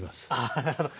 あなるほど。